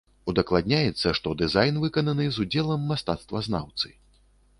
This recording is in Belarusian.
Удакладняецца, што дызайн выкананы з удзелам мастацтвазнаўцы.